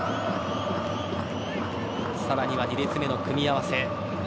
さらには２列目の組み合わせ。